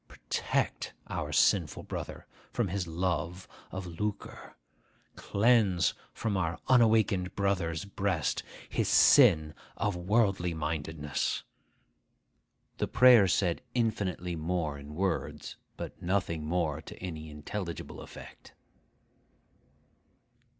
Protect our sinful brother from his love of lucre. Cleanse from our unawakened brother's breast his sin of worldly mindedness. The prayer said infinitely more in words, but nothing more to any intelligible effect.